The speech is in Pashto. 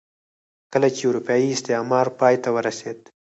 کله چې اروپايي استعمار پای ته ورسېد.